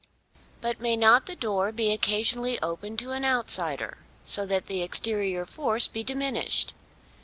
But may not the door be occasionally opened to an outsider, so that the exterior force be diminished?